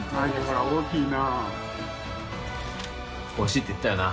大きいな欲しいって言ったよな